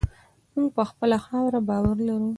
موږ په خپله خاوره باور لرو.